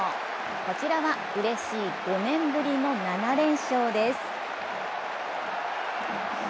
こちらはうれしい５年ぶりの７連勝です。